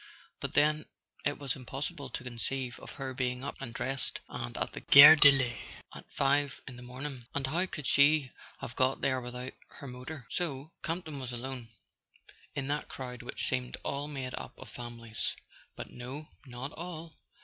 But then it was impossible to conceive of her being up and dressed and at the Gare de l'Est at five in the morning—and how could she have got there without her motor? So [ 97 ] A SON AT THE FRONT Campton was alone, in that crowd which seemed all made up of families. But no—not all.